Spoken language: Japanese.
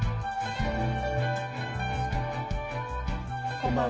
こんばんは。